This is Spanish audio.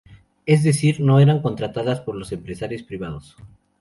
Es decir, no eran contratadas por los empresarios privados.